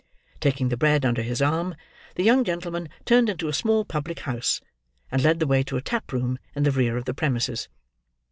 Taking the bread under his arm, the young gentlman turned into a small public house, and led the way to a tap room in the rear of the premises.